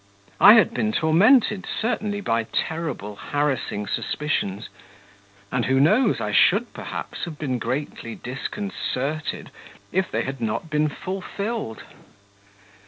I had been tormented, certainly, by terrible, harassing suspicions ... and who knows, I should, perhaps, have been greatly disconcerted if they had not been fulfilled.